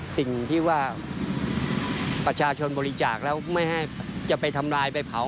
สิ่งที่ว่าประชาชนบริจาคแล้วไม่ให้จะไปทำลายไปเผา